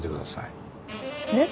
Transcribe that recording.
えっ？